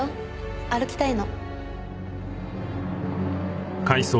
歩きたいの。